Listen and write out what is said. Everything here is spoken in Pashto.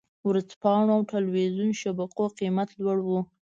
ورځپاڼو او ټلویزیون شبکو قېمت لوړ و.